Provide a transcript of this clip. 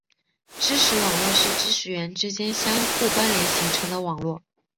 知识网络是知识元之间相互关联形成的网络。